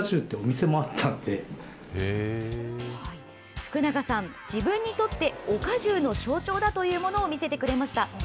福永さん、自分にとってオカジューの象徴だというものを見せてくれました。